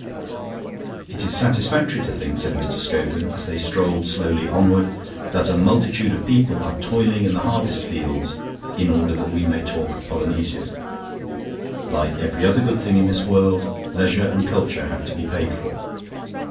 "It is satisfactory to think," said Mr. Scogan, as they strolled slowly onward, "that a multitude of people are toiling in the harvest fields in order that we may talk of Polynesia. Like every other good thing in this world, leisure and culture have to be paid for.